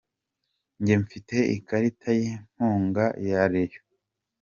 Njye mfite ikarita y'inkunga ya Rayon.